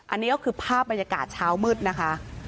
อันนี้ก็คือภาพบรรยากาศเช้ามืดนะคะ